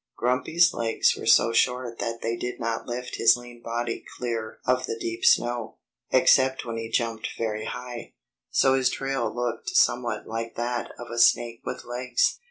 Grumpy's legs were so short that they did not lift his lean body clear of the deep snow, except when he jumped very high; so his trail looked somewhat like that of a snake with legs.